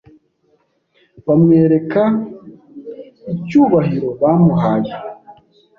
bamwereka icyubahiro bamuhaye